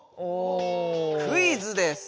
クイズです。